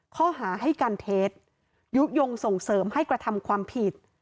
ข้อหาให้การเท็จยุโยงส่งเสริมให้กระทำความผิด